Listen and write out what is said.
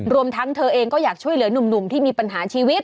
รวมทั้งเธอเองก็อยากช่วยเหลือหนุ่มที่มีปัญหาชีวิต